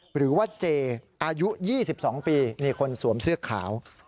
หรือว่าเจอายุ๒๒ปีนี่คนสวมเสื้อขาว